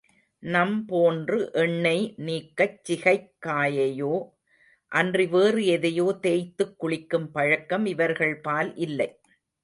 நம் போன்று எண்ணெய் நீக்கச் சிகைக்காயையோ அன்றி வேறு எதையோ தேய்த்துக் குளிக்கும் பழக்கம் இவர்கள்பால் இல்லை.